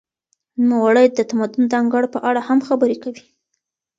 نوموړی د تمدن د انګړ په اړه هم خبري کوي.